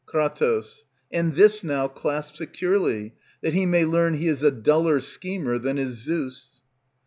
Kr. And this now clasp securely, that He may learn he is a duller schemer than is Zeus.